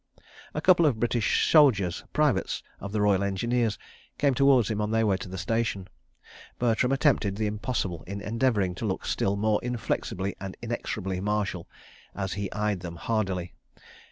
A couple of British soldiers, privates of the Royal Engineers, came towards him on their way to the station. Bertram attempted the impossible in endeavouring to look still more inflexibly and inexorably martial, as he eyed them hardily.